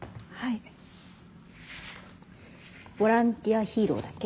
ボランティアヒーローだっけ？